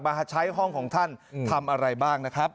มาใช้ห้องของท่านทำอะไรบ้างนะครับ